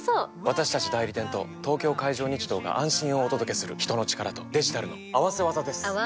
私たち代理店と東京海上日動が安心をお届けする人の力とデジタルの合わせ技です！